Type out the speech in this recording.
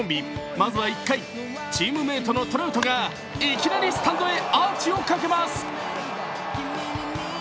まずは１回チームメートのトラウトがいきなりスタンドへアーチをかけます。